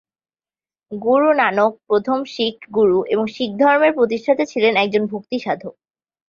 গুরু নানক, প্রথম শিখ গুরু এবং শিখধর্মের প্রতিষ্ঠাতা ছিলেন একজন ভক্তি সাধক।